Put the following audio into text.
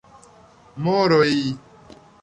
Moroj: